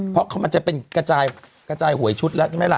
เพราะมันจะเป็นกระจายหวยชุดแล้วใช่ไหมล่ะ